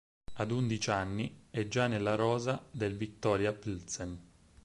Ad undici anni è gia nella rosa del Viktoria Plzeň.